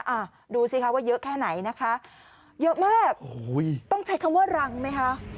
อ่ะดูสิคะว่าเยอะแค่ไหนนะคะเยอะมากโอ้โหต้องใช้คำว่ารังไหมคะ